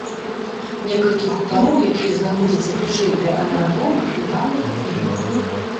Некалькі хутароў, якія знаходзяцца бліжэй да аэрадрома, нядаўна купілі.